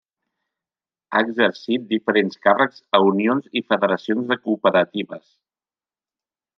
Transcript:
Ha exercit diferents càrrecs a unions i federacions de cooperatives.